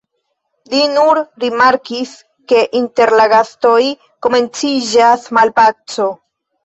Li nur rimarkis, ke inter la gastoj komenciĝas malpaco.